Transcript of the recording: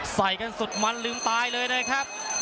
ใส่กันสุดมันลืมตายเลยนะครับ